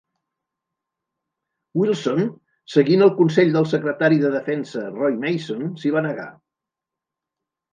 Wilson, seguint el consell del secretari de defensa, Roy Mason, s'hi va negar.